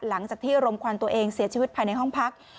หลังจากที่รมควันตัวเองเสียชีวิตภายในห้องพัก